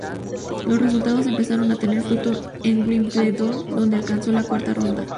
Los resultados empezaron a tener fruto en Wimbledon donde alcanzó la cuarta ronda.